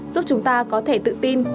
giúp chúng ta có thể tự tin